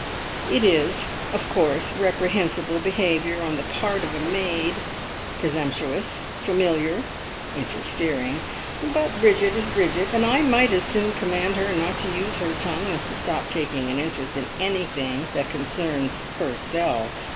It is, of course, reprehensible behaviour on the part of a maid, presumptuous, familiar, interfering; but Bridget is Bridget, and I might as soon command her not to use her tongue, as to stop taking an interest in anything that concerns "Herself".